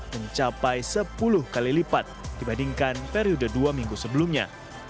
mencapai sepuluh kali lipat dibandingkan periode dua minggu sebelumnya